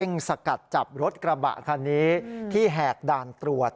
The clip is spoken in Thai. สกัดจับรถกระบะคันนี้ที่แหกด่านตรวจ